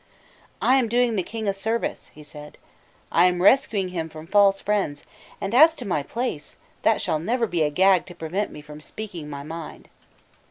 "I am doing the King a service," he said: "I am rescuing him from false friends: and, as to my place, that shall never be a gag to prevent me from speaking my mind."